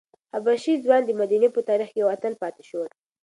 حبشي ځوان د مدینې په تاریخ کې یو اتل پاتې شو.